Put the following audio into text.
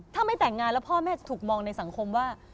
ถ้าไม่แต่งงานแล้วพ่อแม่จะถูกมองในสังคมว่า